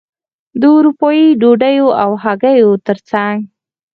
د اروپايي ډوډیو او هګیو ترڅنګ.